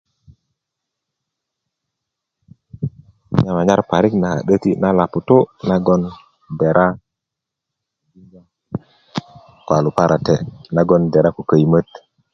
naon nan nyanysr parik na a 'döti na loputu' nagoŋ dera ko luparate' nagon dera ko köyimöt